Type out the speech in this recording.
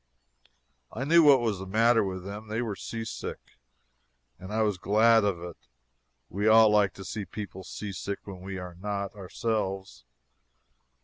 I knew what was the matter with them. They were seasick. And I was glad of it. We all like to see people seasick when we are not, ourselves.